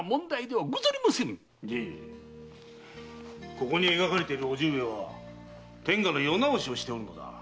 ここに描かれているおじ上は天下の世直しをしておるのだ。